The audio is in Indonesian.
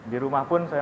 di rumah pun saya